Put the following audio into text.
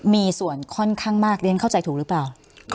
มีส่วนค่อนข้างมากเรียนเข้าใจถูกหรือเปล่า